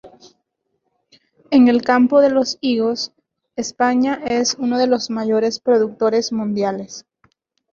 En el campo de los higos, España es uno de los mayores productores mundiales.